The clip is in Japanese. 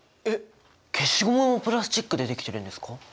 えっ消しゴムもプラスチックでできてるんですか？